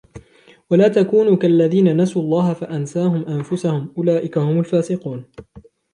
وَلَا تَكُونُوا كَالَّذِينَ نَسُوا اللَّهَ فَأَنْسَاهُمْ أَنْفُسَهُمْ أُولَئِكَ هُمُ الْفَاسِقُونَ